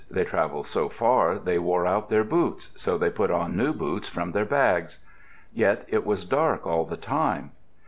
They travelled so far they wore out their boots, so they put on new boots from their bags. Yet it was dark all the time.